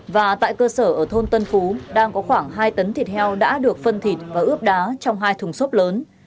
và tại cơ sở ở thôn tân phú đang có khoảng hai tấn thịt heo đã được phân thịt và ướp đá trong hai thùng xốp lớn